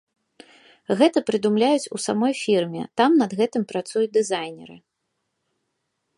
Гэта прыдумляюць у самой фірме, там над гэтым працуюць дызайнеры.